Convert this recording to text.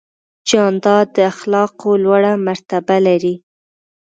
جانداد د اخلاقو لوړه مرتبه لري.